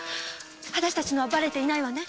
私たちのはバレていないわね？